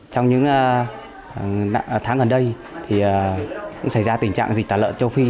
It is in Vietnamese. trong những tháng gần đây xảy ra tình trạng dịch tả lợn châu phi